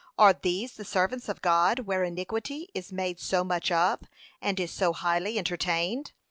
Are these the servants of God, where iniquity is made so much of, and is so highly entertained!